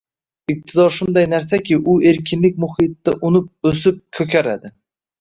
Iqtidor shunday narsaki, u erkinlik muhitida unib, o‘sib, ko‘karadi.